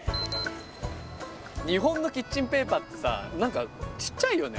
日本のキッチンペーパーってさ何かちっちゃいよね